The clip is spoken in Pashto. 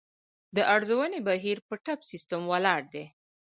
د ارزونې بهیر په پټ سیستم ولاړ دی.